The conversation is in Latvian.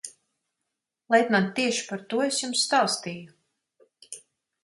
Leitnant, tieši par to es jums stāstīju.